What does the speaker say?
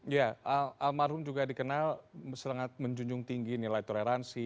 ya almarhum juga dikenal sangat menjunjung tinggi nilai toleransi